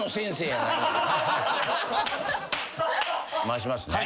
回しますね。